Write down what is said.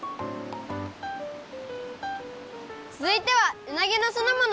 つづいてはうなぎのすのもの